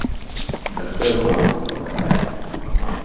Bet tev nav, vai ne?